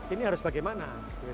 ini harus bagaimana